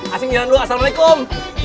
asing jalan dulu assalamualaikum